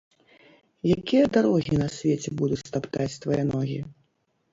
Якія дарогі на свеце будуць таптаць твае ногі?